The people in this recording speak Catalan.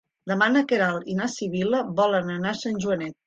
Demà na Queralt i na Sibil·la volen anar a Sant Joanet.